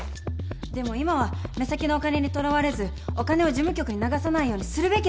でも今は目先のお金にとらわれずお金を事務局に流さないようにするべきなんです。